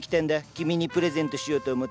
君にプレゼントしようと思って。